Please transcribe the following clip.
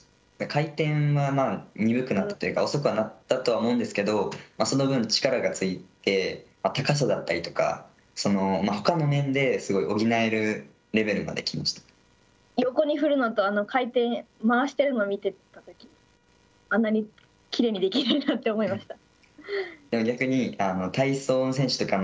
回転は鈍くなったというか遅くはなったと思うんですけどその分、力がついて高さだったりとかほかの面ですごい補える横に振るのと回転回しているのを見てたときあんなにきれいにできるんだなって思いました。